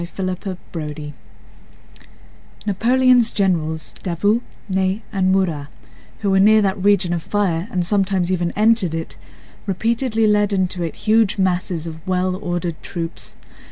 CHAPTER XXXIV Napoleon's generals—Davout, Ney, and Murat, who were near that region of fire and sometimes even entered it—repeatedly led into it huge masses of well ordered troops.